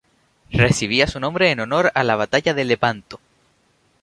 Recibía su nombre en honor a la batalla de Lepanto.